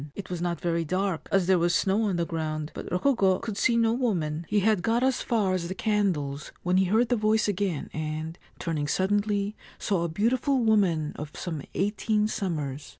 It was not very dark, as there was snow on the ground ; but Rokugo could see no woman. He had got as far as the candles when he heard the voice again, and, turning suddenly, saw a beautiful woman of some eighteen summers.